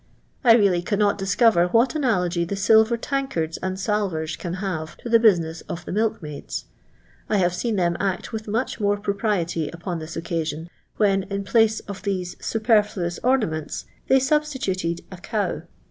I really cannot discover what nnab^y the silver tankards and salvers can have to the business of the milkmaids. I have seen them act with much more propriety upon this occasion, when, in place nf these superfluous ornaments, they substituted a cow.